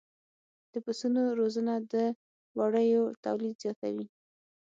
د پسونو روزنه د وړیو تولید زیاتوي.